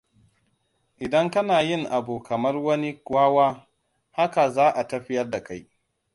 Idan kana yin abu kamar wani wawa, haka za a tafiyar da kai.